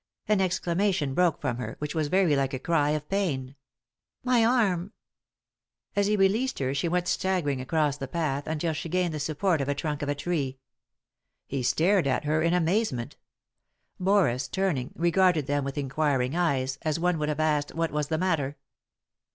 An exclama tion broke from her, which was very like a cry of pain. " My arm 1 " As he released her she went staggering across the path, until she gained the support of a trunk of a tree. He stared at her in amazement Boris, turning, regarded them with inquiring eyes, as one who would have asked what was the matter.